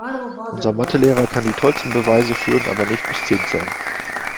Unser Mathe-Lehrer kann die tollsten Beweise führen, aber nicht bis zehn zählen.